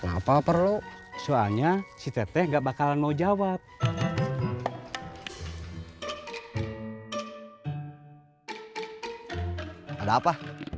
apa perlu soalnya si teteh nggak bakalan mau jawab ada apa